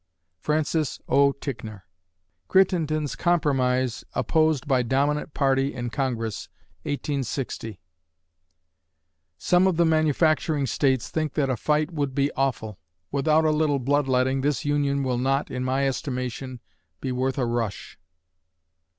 FRANCIS O. TICKNOR Crittenden's compromise opposed by dominant party in Congress, 1860 Some of the manufacturing states think that a fight would be awful. Without a little bloodletting this Union will not, in my estimation, be worth a rush.